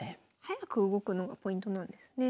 早く動くのがポイントなんですね。